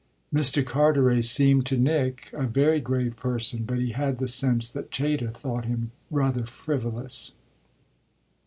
Mr. Carteret seemed to Nick a very grave person, but he had the sense that Chayter thought him rather frivolous.